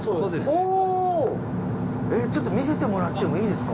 おっちょっと見せてもらってもいいですか？